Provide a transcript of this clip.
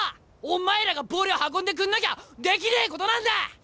お前らがボール運んでくんなきゃできねえことなんだ！